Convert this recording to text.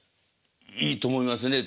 いいと思いますね。